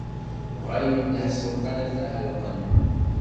Dɣa yendeh Selṭan ad t-ɛelqen.